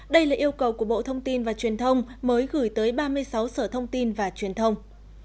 đây là yêu cầu của bộ thông tin và truyền thông mới gửi tới ba mươi sáu sở thông tin và truyền thông